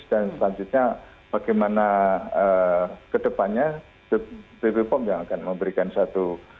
dan selanjutnya bagaimana ke depannya bepom yang akan memberikan satu